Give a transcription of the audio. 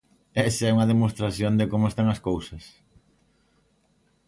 Esa é unha demostración de como están as cousas.